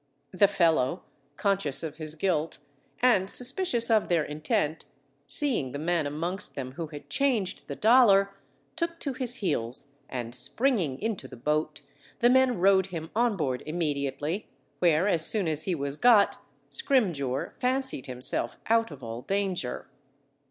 The fellow, conscious of his guilt, and suspicious of their intent, seeing the man amongst them who had changed the dollar, took to his heels, and springing into the boat, the men rowed him on board immediately, where as soon as he was got, Scrimgeour fancied himself out of all danger.